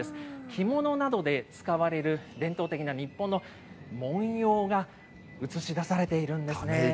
着物などで使われる、伝統的な日本の文様が映し出されているんですね。